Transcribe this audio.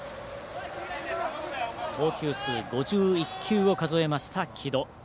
投球数５１球を数えました、城戸。